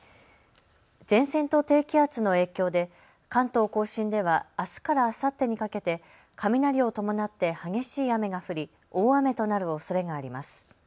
前線と低気圧の影響で関東甲信ではあすからあさってにかけて雷を伴って激しい雨が降り大雨となるおそれがあります。